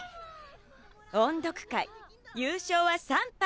音読会優勝は３班！